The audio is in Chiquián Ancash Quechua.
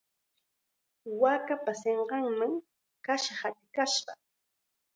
Waakapa sinqanman kasha hatikashqa.